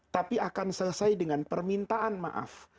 tapi akan selesai dengan permintaan maaf